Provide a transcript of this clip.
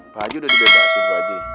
pak haji udah dibebasi pak haji